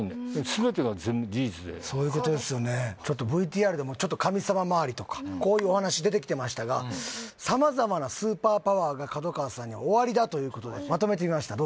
ちょっとＶＴＲでも神様まわりとかこういうお話出てきてましたが様々なスーパーパワーが角川さんにはおありだということでまとめてみました